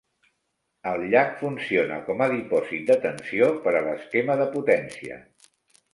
El llac funciona com a dipòsit de tensió per a l'esquema de potència.